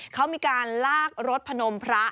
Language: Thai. เขามีการลากรถพนมพระ